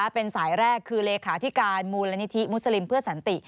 เป็นสายแรกคือเลขาธิการมูลนิธิมุสลิมเพื่อสันติ